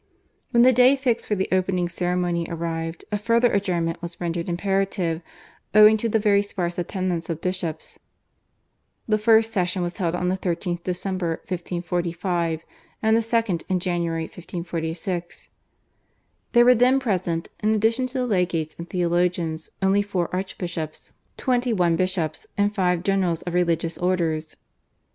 When the day fixed for the opening ceremony arrived, a further adjournment was rendered imperative owing to the very sparse attendance of bishops. The First Session was held on the 13th December 1545, and the second in January 1546. There were then present in addition to the legates and theologians only four archbishops, twenty one bishops, and five generals of religious orders.